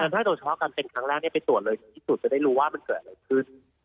ถ้าโดยเฉพาะกันเป็นครั้งแรกไปตรวจเลยถึงที่สุดจะได้รู้ว่ามันเกิดอะไรขึ้น